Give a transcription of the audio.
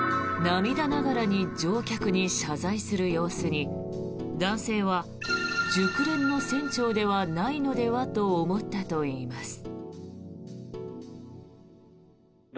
涙ながらに乗客に謝罪する様子に男性は熟練の船長ではないのではと思ったといいます。